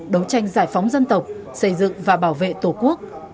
đấu tranh giải phóng dân tộc xây dựng và bảo vệ tổ quốc